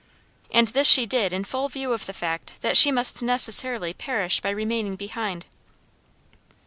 And this she did in full view of the fact that she must necessarily perish by remaining behind.